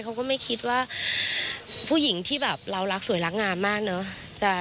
เขาก็ไม่คิดว่าผู้หญิงที่แบบเรารักสวยรักงามมากเนอะ